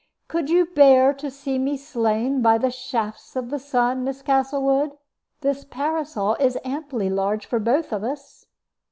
"Could you bear to see me slain by the shafts of the sun? Miss Castlewood, this parasol is amply large for both of us."